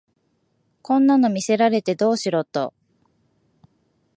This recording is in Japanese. こんなの見せられてどうしろと